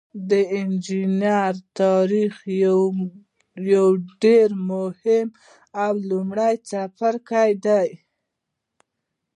د انجنیری تاریخ یو ډیر مهم او لومړنی څپرکی دی.